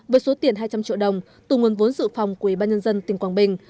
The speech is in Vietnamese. với số tiền hai trăm linh triệu đồng từ nguồn vốn dự phòng của ủy ban nhân dân tỉnh quảng bình